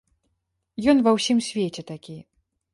Ён ва ўсім свеце такі.